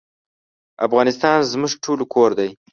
افغانستان زموږ ټولو کور دی